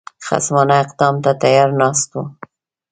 خصمانه افدام ته تیار ناست وو.